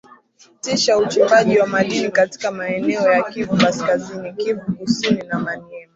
alisitisha uchimbaji wa madini katika maeneo ya kivu kaskazini kivu kusini na maniema